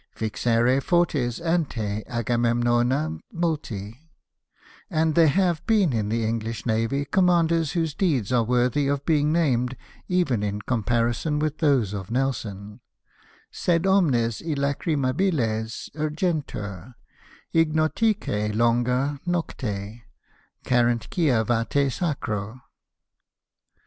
Vixere fortes ante Agamcmnona Multi : and there have been in the English Navy com manders whose deeds are worthy of being named even in comparison with those of Nelson : sed omnes illacrymabiles Urgentur, ignotique longa Nocte, careiit quia vate sacro.